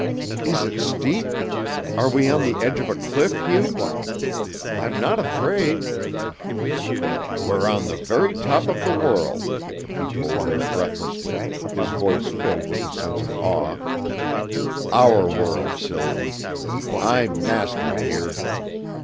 "Is it steep? Are we on the edge of a cliff, Hugh? I'm not afraid!" "We're on the very top of the world," he told her breathlessly, his voice filled with a sense of awe, "our world, Sylvie, I'm master here.